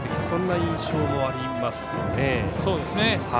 そんな印象もありますね。